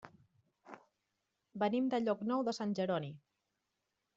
Venim de Llocnou de Sant Jeroni.